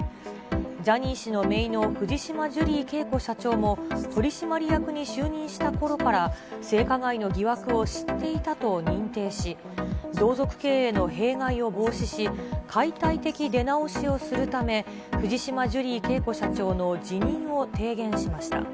ジャニー氏のめいの藤島ジュリー景子社長も取締役に就任したころから、性加害の疑惑を知っていたと認定し、同族経営の弊害を防止し、解体的出直しをするため、藤島ジュリー景子社長の辞任を提言しました。